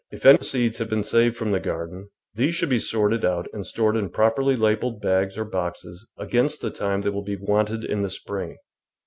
If any seeds have been saved from the garden, these should be sorted out and stored in properly labelled bags or boxes against the time they will be wanted in the spring.